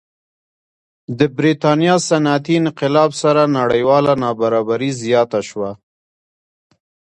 د برېټانیا صنعتي انقلاب سره نړیواله نابرابري زیاته شوه.